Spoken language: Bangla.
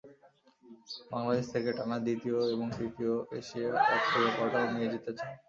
বাংলাদেশ থেকে টানা দ্বিতীয় এবং তৃতীয় এশিয়া কাপ শিরোপাটাও নিয়ে যেতে চায়।